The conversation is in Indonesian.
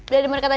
dan mereka kata